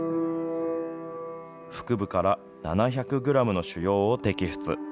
腹部から７００グラムの腫瘍を摘出。